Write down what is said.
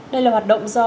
đây là hoạt động do